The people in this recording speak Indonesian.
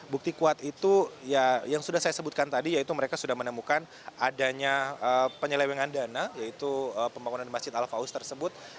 bukti kuat itu yang sudah saya sebutkan tadi yaitu mereka sudah menemukan adanya penyelewengan dana yaitu pembangunan masjid al faus tersebut